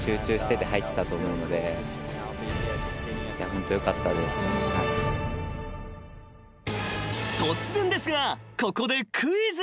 ［突然ですがここでクイズです］